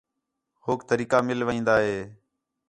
ہوک طریقہ مِل وین٘دا ہِے